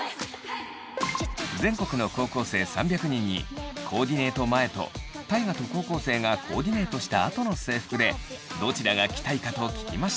全国の高校生３００人にコーディネート前と大我と高校生がコーディネートしたあとの制服でどちらが着たいかと聞きました。